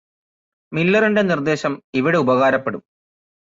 മില്ലറിന്റെ നിർദേശം ഇവിടെ ഉപകാരപ്പെടും